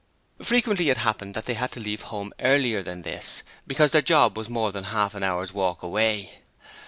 Frequently it happened that they had to leave home earlier than this, because their 'job' was more than half an hour's walk away.